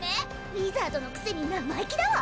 ウィザードのくせに生意気だわ！